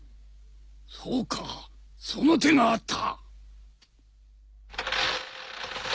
そうかその手があった！